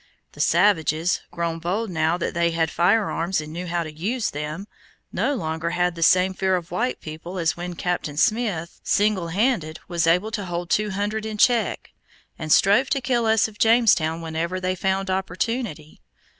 The savages, grown bold now that they had firearms and knew how to use them, no longer had the same fear of white people as when Captain Smith, single handed, was able to hold two hundred in check, and strove to kill us of Jamestown whenever they found opportunity.